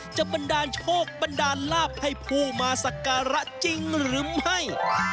บันดาลโชคบันดาลลาบให้ผู้มาสักการะจริงหรือไม่